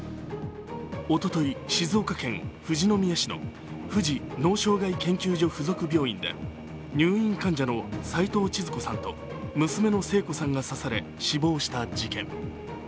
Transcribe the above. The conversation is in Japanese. おととい、静岡県富士宮市の富士脳障害研究所付属病院で入院患者の齊藤ちづ子さんと娘の聖子さんが刺され、死亡した事件。